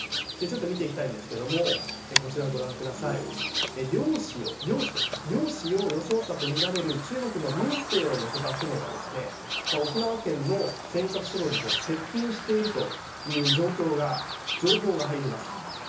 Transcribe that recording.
見ていきたいんですけども漁師を装ったとみられる中国の民兵を乗せた船が沖縄県の尖閣諸島に接近しているという情報が入ります。